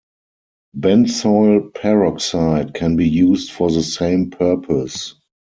Benzoyl peroxide can be used for the same purpose.